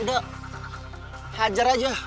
udah hajar aja